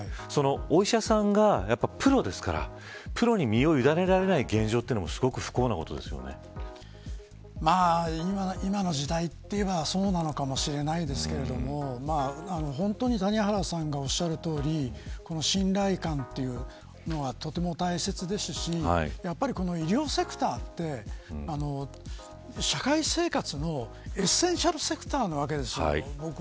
お医者さんはプロですからプロに身をゆだねられない現状も今の時代はそうなのかもしれないですけど本当に谷原さんがおっしゃるとおり信頼感というものはとても大切ですし医療セクターって社会生活のエッセンシャルセクターなわけです。